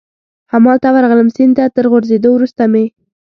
همالته ورغلم، سیند ته تر غورځېدو وروسته مې.